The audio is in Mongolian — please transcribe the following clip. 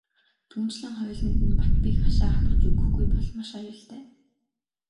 Түүнчлэн хоёуланд нь бат бэх хашаа хатгаж өгөхгүй бол маш аюултай.